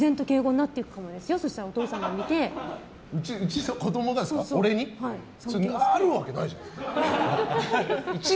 なるわけないじゃん！